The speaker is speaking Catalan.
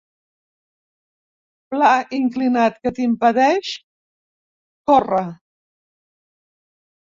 Pla inclinat que t'impedeix córrer.